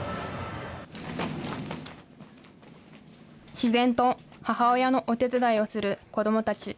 自然と母親のお手伝いをする子どもたち。